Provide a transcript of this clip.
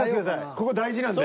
ここ大事なんで。